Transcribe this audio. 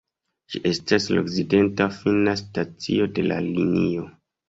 Ĝi estas la okcidenta fina stacio de la linio.